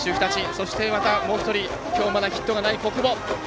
そして、またもう一人きょうヒットがない小久保。